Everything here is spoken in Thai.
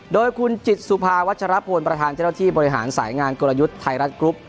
โดยคุณจิตสุภาวัชรพลประธานเจ้าหน้าที่บริหารสายงานกลยุทธ์ไทยรัฐกรุ๊ป